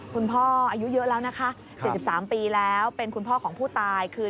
คุณพ่ออายุเยอะแล้วนะคะ๗๓ปีแล้วเป็นคุณพ่อของผู้ตายคือ